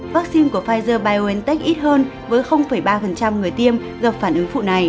vaccine của pfizer biontech ít hơn với ba người tiêm gặp phản ứng phụ này